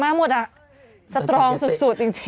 มากหมดอ่ะสตรองสุดสุดจริงจริง